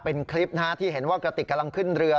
เป็นคลิปที่เห็นว่ากระติกกำลังขึ้นเรือ